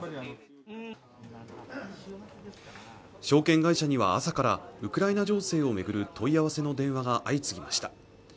証券会社には朝からウクライナ情勢を巡る問い合わせの電話が相次ぎました